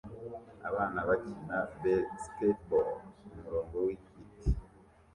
Abana bakina basketball kumurongo wibiti